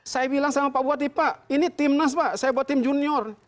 saya bilang sama pak buati pak ini timnas pak saya buat tim junior